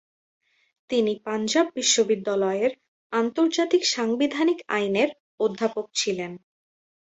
তিনি পাঞ্জাব বিশ্ববিদ্যালয়ের আন্তর্জাতিক সাংবিধানিক আইনের অধ্যাপক ছিলেন।